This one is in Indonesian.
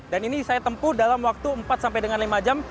dan ini saya tempuh dalam waktu empat sampai dengan lima jam